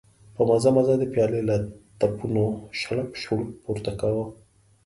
په مزه مزه د پيالې له تپونو شړپ شړوپ پورته کاوه.